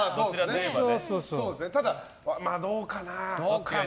ただ、どうかな。